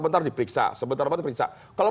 bentar diperiksa sebentar bentar diperiksa kalau